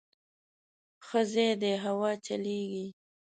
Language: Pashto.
_ښه ځای دی، هوا چلېږي.